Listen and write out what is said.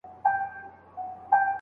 آيا نکاح غوټي ته ويل کيږي؟